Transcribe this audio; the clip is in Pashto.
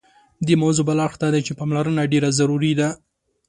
دې موضوع بل اړخ دادی چې پاملرنه ډېره ضروري ده.